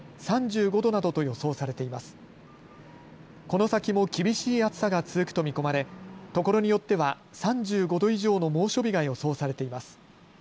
この先も厳しい暑さが続くと見込まれ所によっては３５度以上の猛暑日が予想されています。